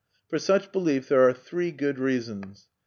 For such belief there are three good reasons.